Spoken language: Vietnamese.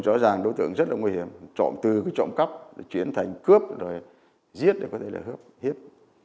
rõ ràng đối tượng rất là nguy hiểm từ trộm cắp chuyển thành cướp giết hiếp